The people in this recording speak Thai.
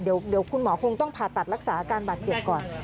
เดี๋ยวคุณหมอคงต้องผ่าตัดรักษาอาการบาดเจ็บก่อน